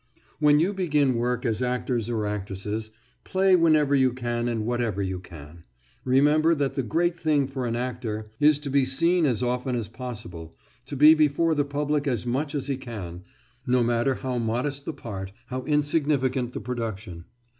When you begin work as actors or actresses, play whenever you can and whatever you can. Remember that the great thing for the actor is to be seen as often as possible, to be before the public as much as he can, no matter how modest the part, how insignificant the production.